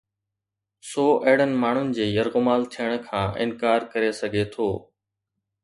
سو اهڙن ماڻهن جي يرغمال ٿيڻ کان انڪار ڪري سگهي ٿو.